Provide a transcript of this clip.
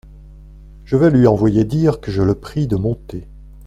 Je vais lui envoyer dire que je le prie de monter.